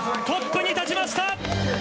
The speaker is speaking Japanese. トップに立ちました！